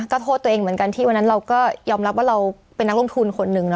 ก็โทษตัวเองเหมือนกันที่วันนั้นเราก็ยอมรับว่าเราเป็นนักลงทุนคนหนึ่งนะ